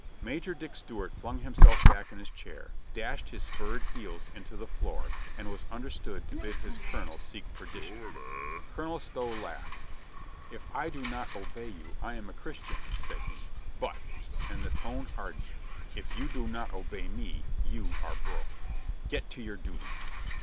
Major Dick Stewart flung himself back in his chair, dashed his spurred heels into the floor and was understood to bid his colonel seek perdition. Colonel Stow laughed. "If I do not obey you I am a Christian," said he. "But," and the tone hard 152 COLONEL GREATHEART ened, "if you do not obey me you are broke. Get to your duty."